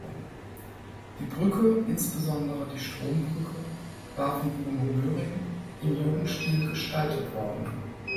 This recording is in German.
Die Brücke, insbesondere die Strombrücke, war von Bruno Möhring im Jugendstil gestaltet worden.